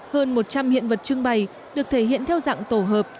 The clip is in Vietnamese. hơn một trăm linh hiện vật trưng bày được thể hiện theo dạng tổ hợp